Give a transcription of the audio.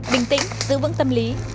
bình tĩnh giữ vững tâm lý